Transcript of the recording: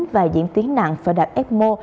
và diễn tiến nặng và đạt fmo